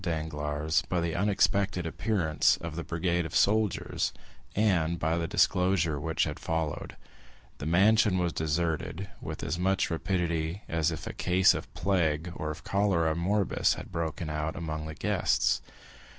Danglars by the unexpected appearance of the brigade of soldiers, and by the disclosure which had followed, the mansion was deserted with as much rapidity as if a case of plague or of cholera morbus had broken out among the guests.